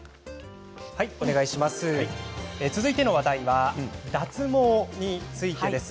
続いての話題は脱毛についてです。